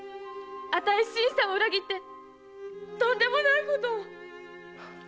あたい新さんを裏切ってとんでもないことを！